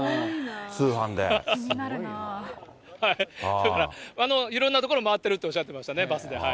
だから、いろんな所回ってるっておっしゃってましたね、バスで。